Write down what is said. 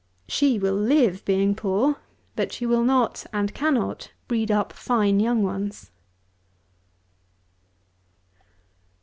She will live being poor, but she will not, and cannot breed up fine young ones.